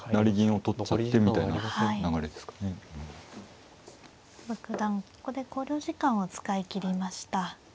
ここで考慮時間を使い切りました。